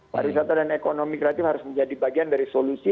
pariwisata dan ekonomi kreatif harus menjadi bagian dari solusi